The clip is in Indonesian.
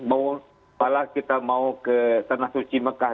mau malah kita mau ke tanah suci mekah